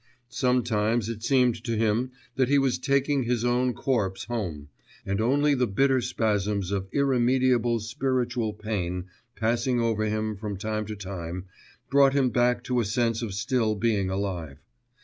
Sometimes it seemed to him that he was taking his own corpse home, and only the bitter spasms of irremediable spiritual pain passing over him from time to time brought him back to a sense of still being alive.